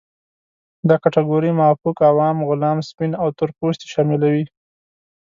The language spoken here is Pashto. دا کټګورۍ مافوق، عوام، غلام، سپین او تور پوستې شاملوي.